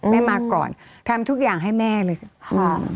แม่มาก่อนทำทุกอย่างให้แม่เลย